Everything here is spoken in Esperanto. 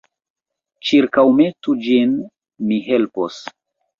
Ĉirkaŭmetu ĝin; mi helpos.